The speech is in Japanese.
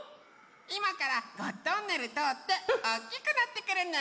いまからゴットンネルとおっておっきくなってくるね。